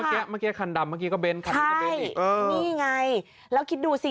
เมื่อกี้คันดำเมื่อกี้ก็เบ้นใช่นี่ไงแล้วคิดดูสิ